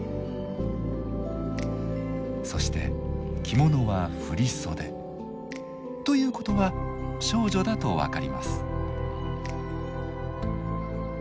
そして着物は振り袖。ということは少女だと分かります。